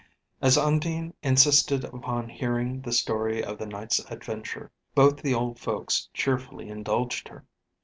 As Undine insisted upon hearing the story of the Knight's adventure, both the old folks cheerfully indulged her.